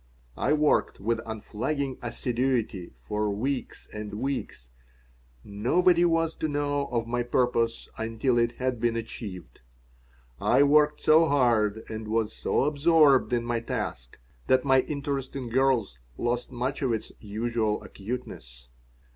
I worked with unflagging assiduity for weeks and weeks. Nobody was to know of my purpose until it had been achieved. I worked so hard and was so absorbed in my task that my interest in girls lost much of its usual acuteness.